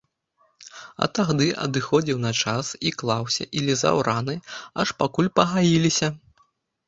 А тагды адыходзіў на час, і клаўся, і лізаў раны, аж пакуль пагаіліся.